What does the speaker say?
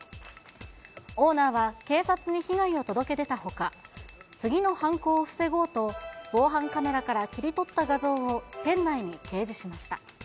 オーナーは警察に被害を届け出たほか、次の犯行を防ごうと、防犯カメラから切り取った画像を店内に掲示しました。